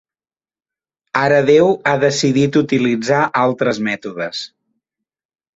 Ara Déu ha decidit utilitzar altres mètodes.